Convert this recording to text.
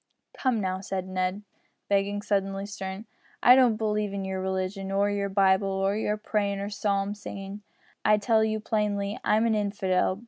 "Come, now," said Ned, becoming suddenly stern. "I don't believe in your religion, or your Bible, or your prayin' and psalm singin'. I tell you plainly, I'm a infidel.